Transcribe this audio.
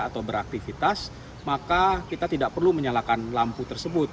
atau beraktivitas maka kita tidak perlu menyalakan lampu tersebut